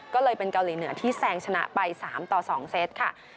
ก็เลยเป็นเกาหลีเหนือที่แซงชนะไป๓ต่อ๒เซตค่ะ